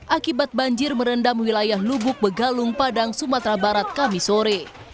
akibat banjir merendam wilayah lubuk begalung padang sumatera barat kamisore